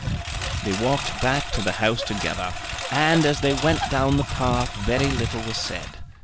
They walked back to the house together, and as they went down the path very little was said.